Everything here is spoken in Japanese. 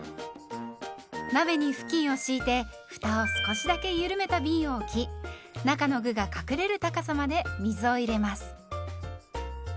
鍋に布巾を敷いてふたを少しだけゆるめたびんを置き中の具が隠れる高さまで水を入れます。